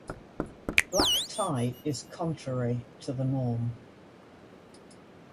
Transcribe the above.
Black tie is contrary to the norm.